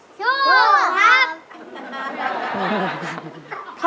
สู้ครับ